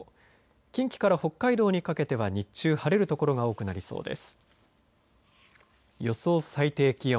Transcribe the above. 近畿から北海道にかけては日中晴れる所が多くなりそうです。